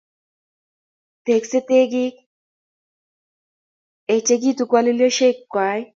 Teksei tekik, echikitu kwalilosiek kwai